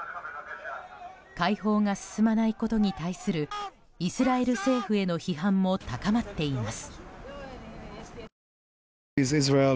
解放が進まないことに対するイスラエル政府への批判も高まっています。